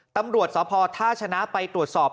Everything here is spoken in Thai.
ตำรวจสพท่าชนะไปตรวจสอบ